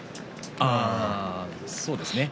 そうですね。